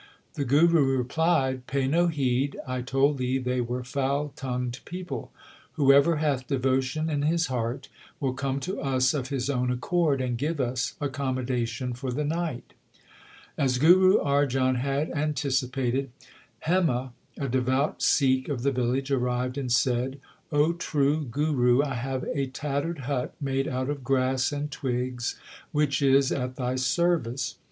The Guru replied : Pay no heed, I told thee they were foul tongued people. Whoever hath devotion in his heart will come to us of his own accord, and give us accommoda tion for the night/ As Guru Arjan had anticipated, Hema, a devout Sikh of the village, arrived and said, O true Guru, I have a tattered hut made out of grass and twigs which is at thy service.